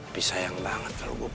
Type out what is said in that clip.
tapi sayang banget kalau gue pergi